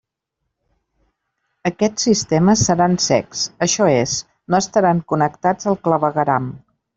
Aquests sistemes seran cecs, això és, no estaran connectats al clavegueram.